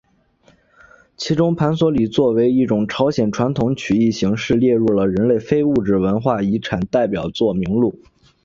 其中盘索里作为一种朝鲜传统曲艺形式列入了人类非物质文化遗产代表作名录。